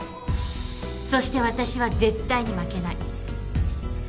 そして私は絶対に負けない